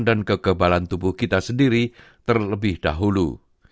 semenjaga kebersihan dan kekebalan tubuh kita sendiri terlebih dahulu